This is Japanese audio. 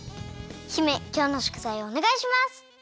姫きょうのしょくざいをおねがいします！